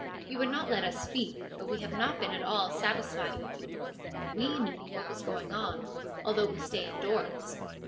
You would not let us speak, but we have not been at all satisfied with you. We knew what was going on, although we stay indoors.